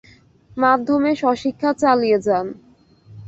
মাধ্যমে স্বশিক্ষা চালিয়ে যান।